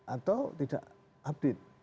atau tidak update